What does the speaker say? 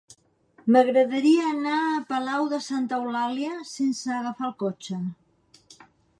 M'agradaria anar a Palau de Santa Eulàlia sense agafar el cotxe.